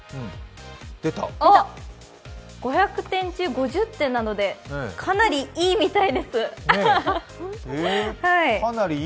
５００点中５０点なのでかなりいいみたいです。